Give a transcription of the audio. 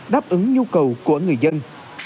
đáp ứng nhu cầu của người dân